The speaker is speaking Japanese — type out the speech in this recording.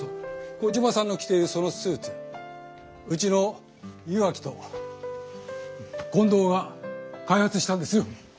コジマさんの着ているそのスーツうちの岩城と近藤が開発したんですよ。